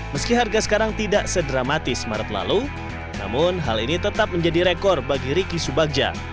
meski harga sekarang tidak sedramatis maret lalu namun hal ini tetap menjadi rekor bagi riki subagja